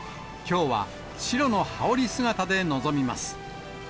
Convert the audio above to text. きょうは白の羽織姿で臨みます。